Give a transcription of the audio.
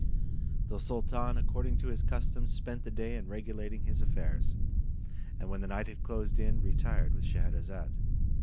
The sultan, according to his custom, spent the day in regulating his affairs; and when the night had closed in, retired with Scheherazade.